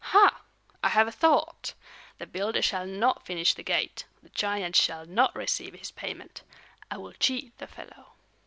Ha! I have a thought! The builder shall not finish the gate; the giant shall not receive his payment. I will cheat the fellow."